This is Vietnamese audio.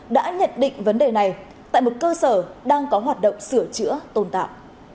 đã nhận định vấn đề này tại một cơ sở đang có hoạt động sửa chữa tôn tạo